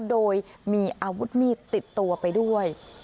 โดยมีอาวุธมีดติดตัวไปด้วย